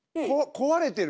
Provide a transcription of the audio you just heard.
壊れてる？